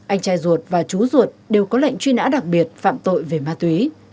anh trai ruột và chú ruột đều có lệnh truy nã đặc biệt phạm tội về ma túy